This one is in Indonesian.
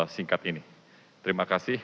singkat ini terima kasih